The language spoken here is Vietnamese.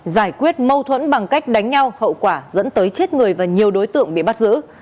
giải quyết mâu thuẫn bằng cách đánh nhau hậu quả dẫn tới chết người và nhiều đối tượng bị bắt giữ